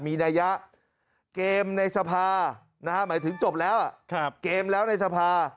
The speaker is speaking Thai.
มีนัยยะเกมในสภาหมายถึงจบแล้วเกมแล้วในสภา